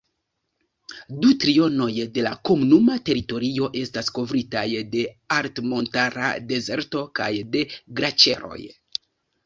Du trionoj de la komunuma teritorio Estas kovritaj de altmontara dezerto kaj de glaĉeroj.